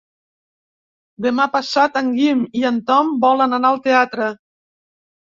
Demà passat en Guim i en Tom volen anar al teatre.